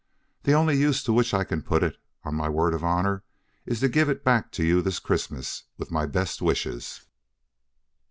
The only use to which I can put it, on my word of honor, is to give it back to you this Christmas with my best wishes."